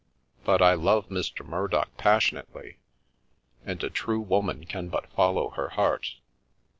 But I love Mr. Murdock passionately, and a true woman can but follow her heart.